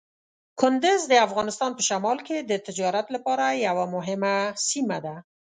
کندز د افغانستان په شمال کې د تجارت لپاره یوه مهمه سیمه ده.